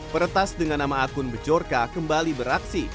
peretas dengan nama akun bejorka kembali beraksi